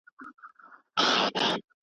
هغه د ازموینو لپاره چمتو شو.